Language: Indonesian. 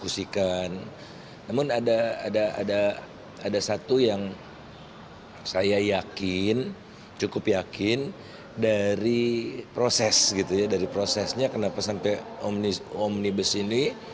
saya yakin cukup yakin dari prosesnya kenapa sampai omnibus ini